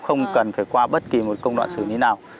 không cần phải qua bất kỳ một công đoạn xử lý nào